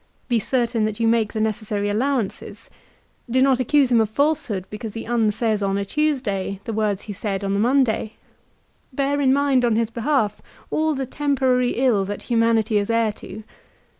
Be certain that you make the necessary allowances. Do not accuse him of falsehood because he unsays on a Tuesday the words he said on the Monday. Bear in mind on his behalf all the temporary ill that humanity is heir to.